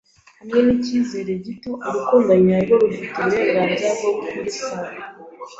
Hamwe n'icyizere gito, urukundo nyarwo rufite uburenganzira bwo kubisaba